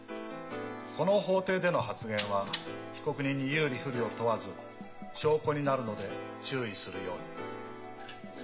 この法廷での発言は被告人に有利不利を問わず証拠になるので注意するように。